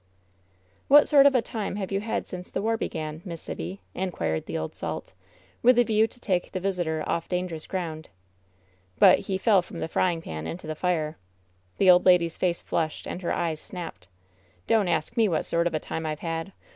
"What sort of a time have you had since the war began, Miss Sibby ?" inquired the old salt, with a view to take the visitor off dangerous ground. But he "fell from the frying pan into the fire." The old lady's face flushed, and her eyes snapped. ^Don't ask me what sort of a time I've had!